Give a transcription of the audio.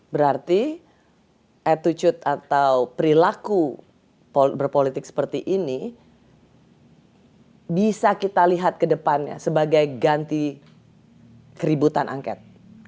berarti attitutude atau perilaku berpolitik seperti ini bisa kita lihat ke depannya sebagai ganti keributan angket